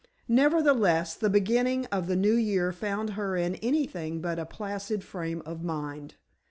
Nevertheless the beginning of the new year found her in anything but a placid frame of mind.